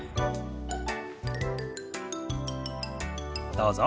どうぞ。